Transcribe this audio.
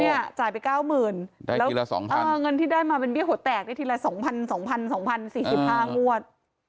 เนี่ยจ่ายไป๙๐๐๐๐บาทแล้วเงินที่ได้มาเป็นเบี้ยหัวแตกได้ทีละ๒๐๐๐๒๐๐๐๒๐๐๐๔๕งวด